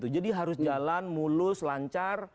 harus jalan mulus lancar